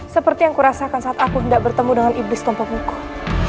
seperti yang kurasakan saat aku hendak bertemu dengan iblis tompok mukul